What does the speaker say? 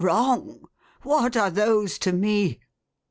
" Wrong ! What are those to me?